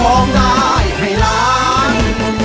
ร้องได้ให้ล้าน